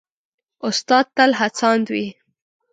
استاد تل هڅاند وي.